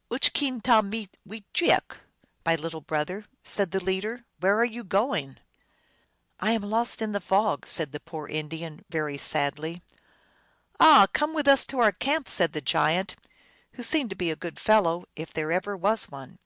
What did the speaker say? " Uch keen, tahmee wejeaok f "" My little brother," said the leader, " where are you going ?" "I am lost in the fog," said the poor Indian, very sadly. "Ah, come with us to our camp," said the giant, who seemed to be a good fellow, if there ever was one.